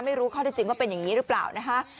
ไม่รู้ข้อที่จริงว่าเป็นอย่างนี้หรือเปล่านะคะ